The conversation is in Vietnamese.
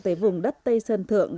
tới vùng đất tây sơn thượng